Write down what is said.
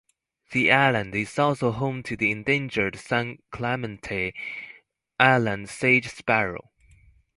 The Island is also home to the endangered "San Clemente Island Sage Sparrow".